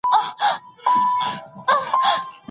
که هغه پخپله اوږه ډېري مڼې وړي، ستړی به سي.